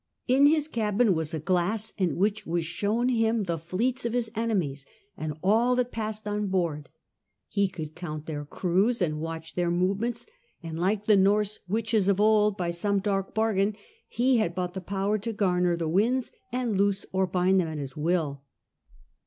In his cabin was a glass in which was shown him the fleets of his enemies and all that passed on board : he could count their crews and watch their movements ; and like the Norse witches of old, by some dark bargain he had bought the power to gamer the winds and loose or bind them at his will.